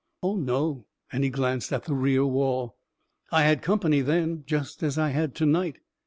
" Oh, no," and he glanced at the rear wall. " I had company then — just as I had to night."